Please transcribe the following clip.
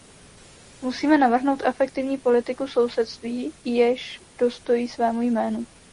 Musíme navrhnout efektivní politiku sousedství, jež dostojí svému jménu.